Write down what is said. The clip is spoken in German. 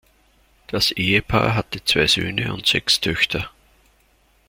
Das Ehepaar hatte zwei Söhne und sechs Töchter.